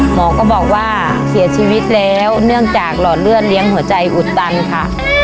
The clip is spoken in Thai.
หมอก็บอกว่าเสียชีวิตแล้วเนื่องจากหลอดเลือดเลี้ยงหัวใจอุดตันค่ะ